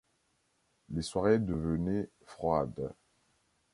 Les soirées devenaient froides.